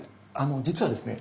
実はですね